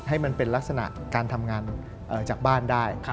ให้มันเป็นลักษณะการทำงานจากบ้านได้